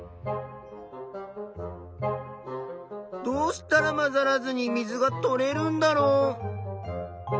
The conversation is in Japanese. どうしたらまざらずに水がとれるんだろう？